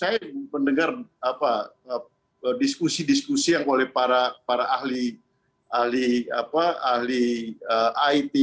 saya mendengar diskusi diskusi yang oleh para ahli it